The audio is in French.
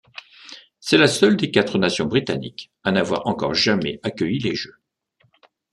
C'est la seule des quatre nations britanniques à n'avoir encore jamais accueilli les Jeux.